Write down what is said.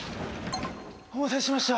お待たせしました。